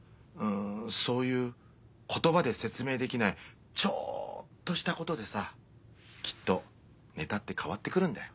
そういう言葉で説明できないちょっとしたことでさきっとネタって変わってくるんだよ。